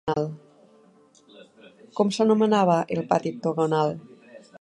Com s'anomenava el Pati Octogonal?